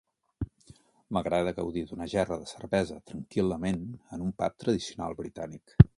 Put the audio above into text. M'agrada gaudir d'una gerra de cervesa tranquil·lament en un pub tradicional britànic